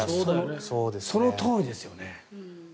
そのとおりですよね。